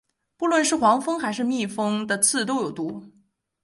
不论是黄蜂或是蜜蜂的刺都有毒。